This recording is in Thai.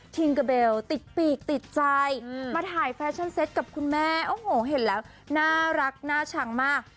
เกอร์เบลติดปีกติดใจมาถ่ายแฟชั่นเซ็ตกับคุณแม่โอ้โหเห็นแล้วน่ารักน่าชังมาก